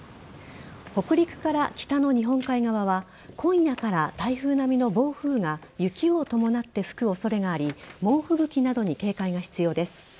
北陸から北の日本海側は今夜から台風並みの暴風が雪を伴って吹く恐れがあり猛吹雪などに警戒が必要です。